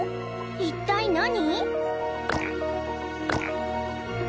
一体何？